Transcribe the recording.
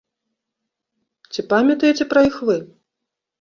Ці памятаеце пра іх вы?